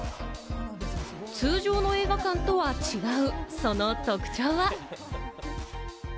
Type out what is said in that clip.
通常の映画館とは違う、その特徴は？